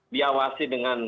diawasi dengan keleluasan